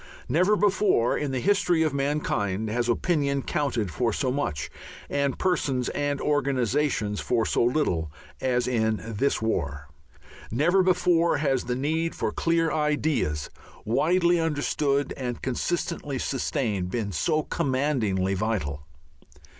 Never before in the history of mankind has opinion counted for so much and persons and organizations for so little as in this war. Never before has the need for clear ideas, widely understood and consistently sustained, been so commandingly vital.